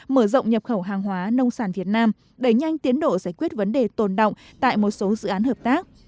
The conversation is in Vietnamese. mở rộng nhập khẩu hàng hóa nông sản việt nam đẩy nhanh tiến độ giải quyết vấn đề tồn động tại một số dự án hợp tác